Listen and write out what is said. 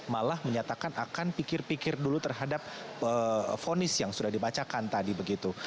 malah menyatakan akan pikir pikir dulu terhadap fonis yang sudah dibacakan tadi begitu